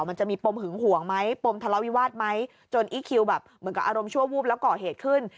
มันจะมีปมหึงห่วงไหมปมทะเลาวิวาสไหมจนอีคคิวแบบเหมือนกับอารมณ์ชั่ววูบแล้วก่อเหตุขึ้น